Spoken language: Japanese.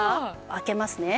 開けますね。